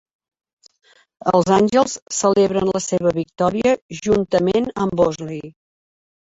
Els Àngels celebren la seva victòria juntament amb Bosley.